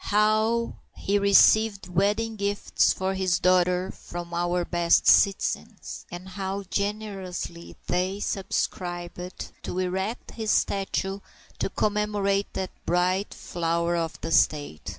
How he received wedding gifts for his daughter from our best citizens; and how generously they subscribed to erect his statue to commemorate that bright flower of the State!